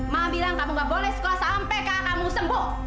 ma bilang kamu nggak boleh sekolah sampai kakak kamu sembuh